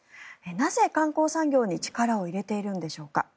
なぜ、観光産業に力を入れているんでしょうか。